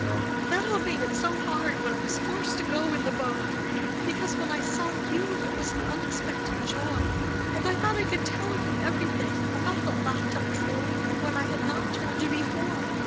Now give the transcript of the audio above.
"That all made it so hard when I was forced to go in the boat. Because when I saw you it was an unexpected joy, and I thought I could tell you everything—about the locked up drawer and what I had not told you before.